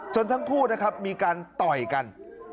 ทั้งคู่นะครับมีการต่อยกัน